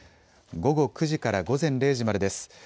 午後９時から午前０時までです。